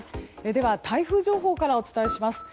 では台風情報からお伝えします。